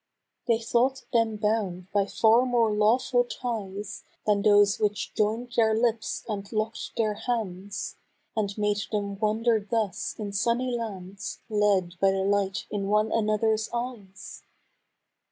They thought them bound by far more lawful ties Than those which join'd their lips and lock'd their hands, And made them wander thus in sunny lands Led by the light in one another's eyes